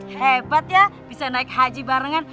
hebat ya bisa naik haji barengan